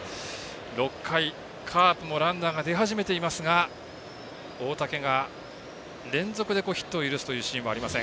６回、カープもランナー出始めていますが大竹が連続でヒットを許すというシーンはありません。